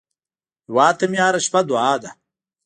هیواد ته مې هره شپه دعا ده